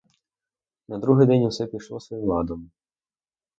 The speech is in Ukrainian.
На другий день усе пішло своїм ладом.